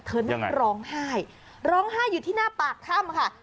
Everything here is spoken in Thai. นั่งร้องไห้ร้องไห้อยู่ที่หน้าปากถ้ำค่ะ